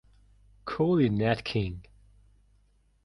Cole, Nat 'King'.